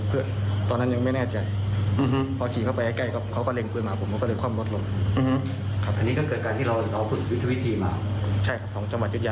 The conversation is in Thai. เขาชู่ปืนเล่น